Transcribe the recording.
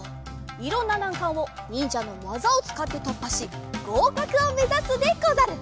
いろんななんかんをにんじゃのわざをつかってとっぱしごうかくをめざすでござる。